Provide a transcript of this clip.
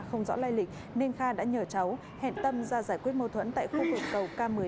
không rõ lai lịch nên kha đã nhờ cháu hẹn tâm ra giải quyết mâu thuẫn tại khu vực cầu k một mươi hai